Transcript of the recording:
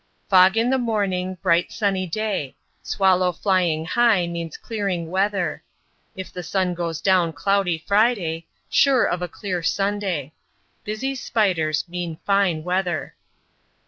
Fog in the morning, bright sunny day. Swallow flying high means clearing weather. If the sun goes down cloudy Friday, sure of a clear Sunday. Busy spiders mean fine weather.